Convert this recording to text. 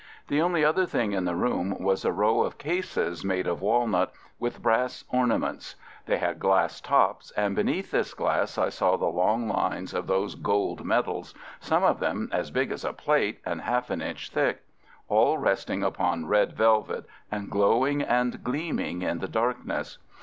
The only other thing in the room was a row of cases made of walnut, with brass ornaments. They had glass tops, and beneath this glass I saw the long lines of those gold medals, some of them as big as a plate and half an inch thick, all resting upon red velvet and glowing and gleaming in the darkness.